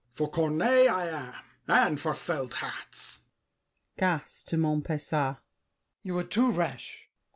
For Corneille I am, and for felt hats! GASSÉ (to Montpesat). You are too rash!